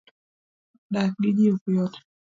dak gi jii ok yot